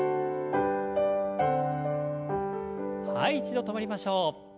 はい一度止まりましょう。